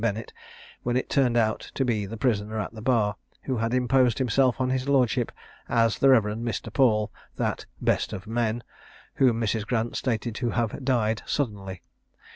Bennett, when it turned out to be the prisoner at the bar, who had imposed himself on his lordship as the Rev. Mr. Paul, that "best of men," whom Mrs. Grant stated to have "died suddenly."